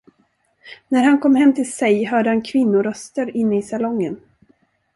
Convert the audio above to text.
När han kom hem till sig, hörde han kvinnoröster inne i salongen.